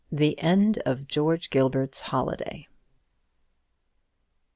THE END OF GEORGE GILBERT'S HOLIDAY.